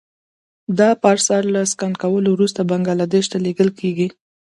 دا پارسل له سکن کولو وروسته بنګلادیش ته لېږل کېږي.